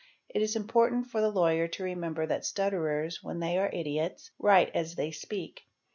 It is important for the lawyer to remember that stutterers, when they are idiots, write as they speak.